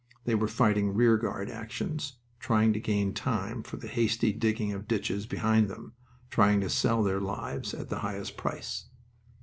They were fighting rear guard actions, trying to gain time for the hasty digging of ditches behind them, trying to sell their lives at the highest price.